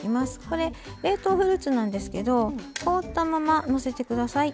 これ冷凍フルーツなんですけど凍ったままのせて下さい。